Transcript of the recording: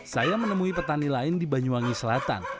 saya menemui petani lain di banyuwangi selatan